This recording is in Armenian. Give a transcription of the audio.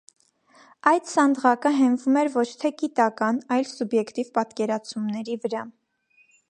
Այդ սանդղակը հենվում էր ոչ թե գիտական, այլ՝ սուբյեկտիվ պատկերացումների վրա։